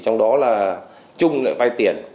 trong đó là trung lại vai tiền